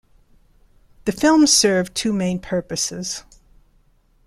The films served two main purposes.